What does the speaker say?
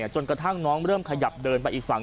จนกระทั่งน้องเริ่มขยับเดินไปอีกฝั่ง